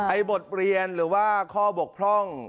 บทเรียนหรือว่าข้อบกพร่อง